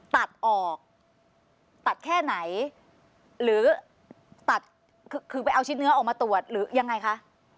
ตัดออกตัดแค่ไหนหรือตัดคือไปเอาชิ้นเนื้อออกมาตรวจหรือยังไงคะ